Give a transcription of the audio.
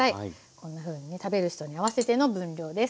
こんなふうにね食べる人に合わせての分量です。